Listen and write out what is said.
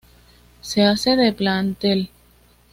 Se hace de plantel.